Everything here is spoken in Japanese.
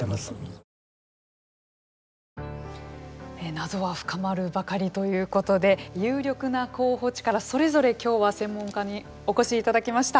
謎は深まるばかりということで有力な候補地からそれぞれ今日は専門家にお越しいただきました。